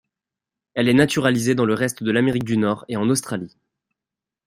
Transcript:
Elle est naturalisée dans le reste de l'Amérique du Nord et en Australie.